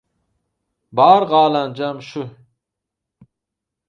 Bar galanjam şü.